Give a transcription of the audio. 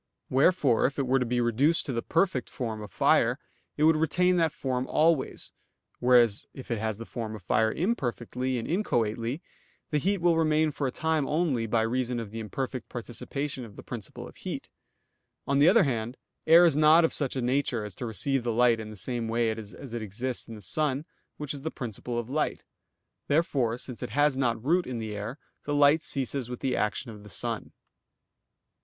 Wherefore if it were to be reduced to the perfect form of fire, it would retain that form always; whereas if it has the form of fire imperfectly and inchoately, the heat will remain for a time only, by reason of the imperfect participation of the principle of heat. On the other hand, air is not of such a nature as to receive light in the same way as it exists in the sun, which is the principle of light. Therefore, since it has not root in the air, the light ceases with the action of the sun.